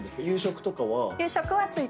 夕食とかは。